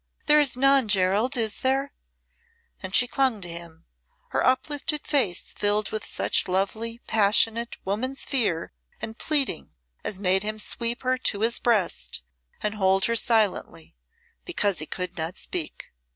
There is none, Gerald, is there?" And she clung to him, her uplifted face filled with such lovely, passionate, woman's fear and pleading as made him sweep her to his breast and hold her silently because he could not speak.